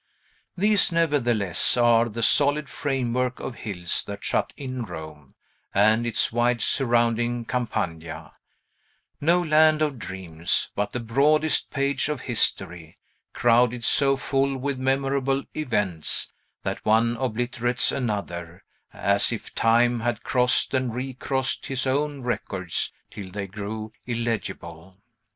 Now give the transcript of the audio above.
These, nevertheless, are the solid framework of hills that shut in Rome, and its wide surrounding Campagna, no land of dreams, but the broadest page of history, crowded so full with memorable events that one obliterates another; as if Time had crossed and recrossed his own records till they grew illegible.